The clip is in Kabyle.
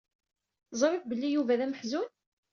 Teẓriḍ belli Yuba d ameḥzun?